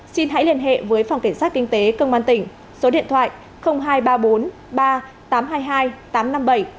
xin hãy liên hệ với phòng cảnh sát kinh tế công an tỉnh số điện thoại hai trăm ba mươi bốn ba tám trăm hai mươi hai tám trăm năm mươi bảy